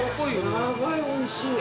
ヤバいおいしい。